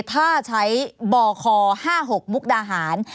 ถ้าใช้บค๕๖มุกดาหาร